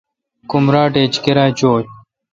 کمراٹ ایچ کیرا چوں ۔